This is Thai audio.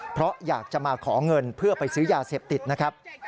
เพราะอยากจะมาขอเงินเพื่อไปซื้อยาเสพติดนะครับ